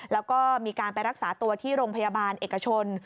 แล้วก็มีการไปรักษาตัวที่โรงพยาบาลเอกชน